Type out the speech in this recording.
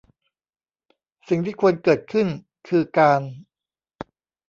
สิ่งที่ควรเกิดขึ้นคือการ